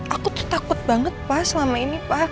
aku tuh takut banget pak selama ini pak